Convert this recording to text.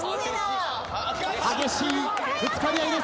激しいぶつかり合いです。